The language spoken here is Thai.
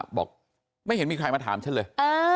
บอกไม่เห็นมีใครมาถามฉันเลย